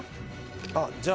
あっじゃあ